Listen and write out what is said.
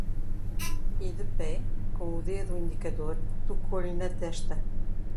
E de pé, com o dedo indicador, tocou-lhe na testa.